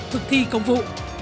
thực thi công vụ